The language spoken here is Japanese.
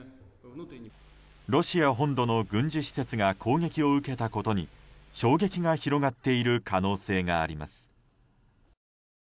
ロシア本土の軍事施設が攻撃を受けたことに衝撃が広がっている可能性があります。